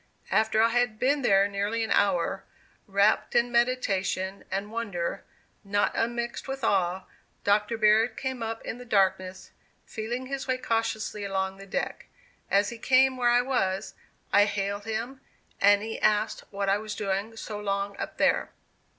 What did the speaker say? After I had been there nearly an hour, wrapt in meditation and wonder, not unmixed with awe, Dr. Baird came up in the darkness, feeling his way cautiously along the deck. As he came where I was, I hailed him; and he asked what I was doing so long up there.